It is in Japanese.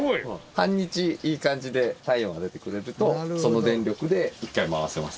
半日いい感じで太陽が出てくれるとその電力で一回回せます。